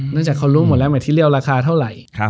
จากเขารู้หมดแล้วหมายที่เรียลราคาเท่าไหร่